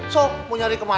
so mau nyari kemana